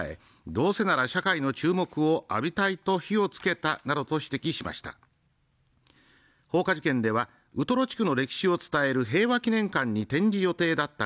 どうせなら社会の注目を浴びたいと火をつけたなどと指摘しました放火事件ではウトロ地区の歴史を伝える平和記念館に展示予定だった